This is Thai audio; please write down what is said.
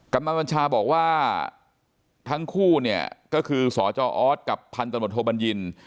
กำนันบัญชาบอกว่าทั้งคู่เนี่ยก็คือสอกับพันธมโทบัญญิณ